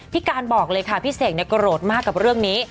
พี่การบอกเลยค่ะพี่เสกโกรธมากกับเรื่องนี้